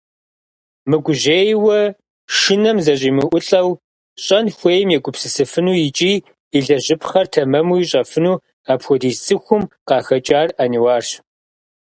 Мыгужьейуэ, шынэм зэщӀимыӀулӀэу, щӀэн хуейм егупсысыфыну икӀи илэжьыпхъэр тэмэму ищӀэфыну апхуэдиз цӀыхум къахэкӀар Ӏэниуарщ.